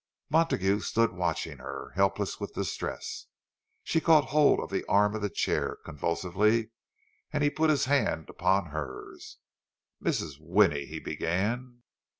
Montague stood watching her, helpless with distress. She caught hold of the arm of the chair, convulsively, and he put his hand upon hers. "Mrs. Winnie—" he began.